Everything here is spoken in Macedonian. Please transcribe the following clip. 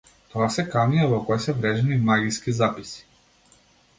Тоа се камења во кои се врежани магиски записи.